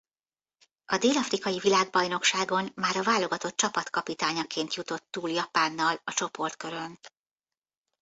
A dél-afrikai világbajnokságon már a válogatott csapatkapitányaként jutott túl Japánnal a csoportkörön.